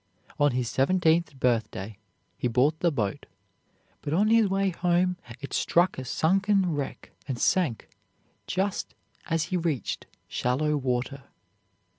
On his seventeenth birthday he bought the boat, but on his way home it struck a sunken wreck and sank just as he reached shallow water.